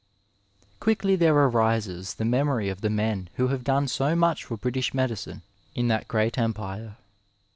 Quickly there arises the memory of the men who have done so much for British medicine in that great empire.